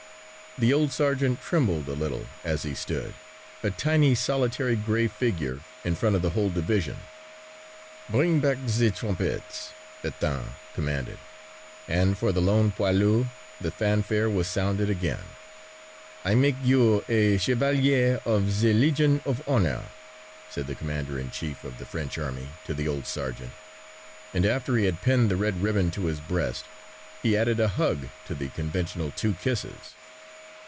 The old sergeant trembled a little as he stood a tiny, solitary gray figure in front of the whole division. "Bring back the trumpets," Pétain commanded and for the lone poilu the fanfare was sounded again. "I make you a chevalier of the Legion of Honor," said the commander in chief of the French army to the old sergeant, and after he had pinned the red ribbon to his breast he added a hug to the conventional two kisses.